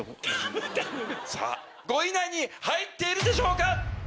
５位以内に入っているでしょうか